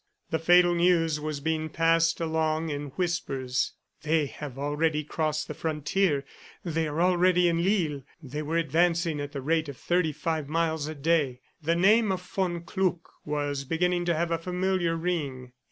The fatal news was being passed along in whispers. "They have already crossed the frontier. ..." "They are already in Lille." ... They were advancing at the rate of thirty five miles a day. The name of von Kluck was beginning to have a familiar ring.